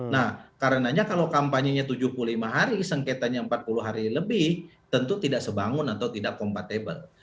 nah karenanya kalau kampanyenya tujuh puluh lima hari sengketanya empat puluh hari lebih tentu tidak sebangun atau tidak kompatibel